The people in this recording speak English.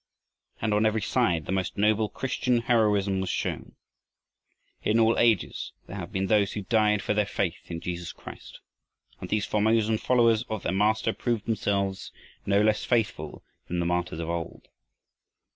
And on every side the most noble Christian heroism was shown. In all ages there have been those who died for their faith in Jesus Christ; and these Formosan followers of their Master proved themselves no less faithful than the martyrs of old.